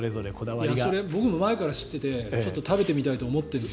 それ、僕も前から知っててちょっと食べてみたいと思ってる。